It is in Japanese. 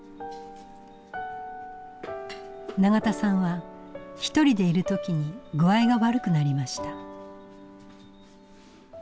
永田さんはひとりでいる時に具合が悪くなりました。